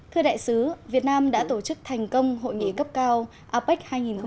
thưa đại sứ việt nam đã tổ chức thành công hội nghị cấp cao apec hai nghìn sáu